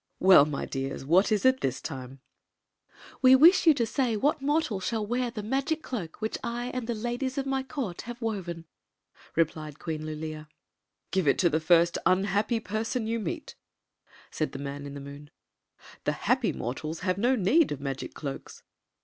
" Well, my dears, what is it this time ?"" We wish you to say what mortal shall wear the magic cloak which I and the ladles of my court have woven," replied Queen Lulea. " Give it to the first un happy person you meet," said the Man in the Moon. "The happy mortals have no need of magic cloaks."